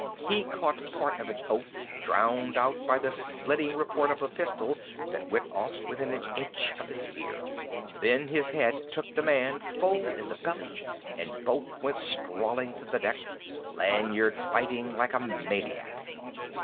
He caught part of an oath drowned out by the splitting report of a pistol that went off within an inch of his ear. Then his head took the man full in the belly, and both went sprawling to the deck, Lanyard fighting like a maniac.